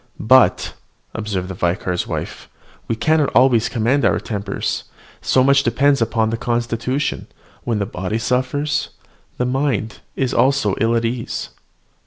"But," observed the vicar's wife, "we cannot always command our tempers, so much depends upon the constitution: when the body suffers, the mind is ill at ease."